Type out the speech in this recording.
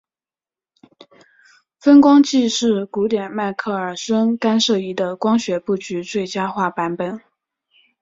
分光计是古典迈克耳孙干涉仪的光学布局最佳化版本。